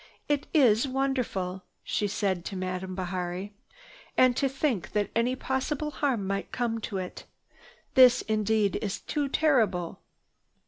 "It is wonderful!" she had said to Madame Bihari. "And to think that any possible harm might come to it! This indeed is too terrible!"